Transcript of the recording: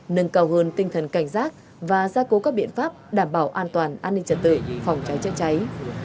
nâng cao hơn tinh thần cảnh giác và gia cố các biện pháp đảm bảo an toàn an ninh trật tự phòng cháy chữa cháy